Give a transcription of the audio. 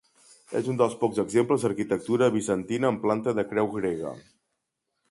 És un dels pocs exemples d'arquitectura bizantina amb planta de creu grega.